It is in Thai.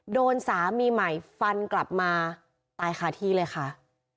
โดนสามีใหม่ฟันกลับมาตายคาที่เลยค่ะ